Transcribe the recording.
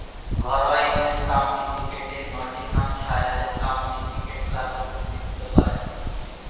ঘরোয়া ইংরেজ কাউন্টি ক্রিকেটে নটিংহ্যামশায়ারের কাউন্টি ক্রিকেট ক্লাবের প্রতিনিধিত্ব করেন।